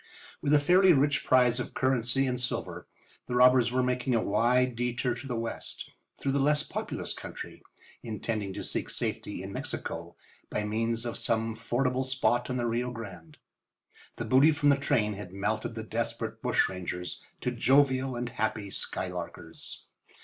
With a fairly rich prize of currency and silver the robbers were making a wide detour to the west through the less populous country, intending to seek safety in Mexico by means of some fordable spot on the Rio Grande. The booty from the train had melted the desperate bushrangers to jovial and happy skylarkers.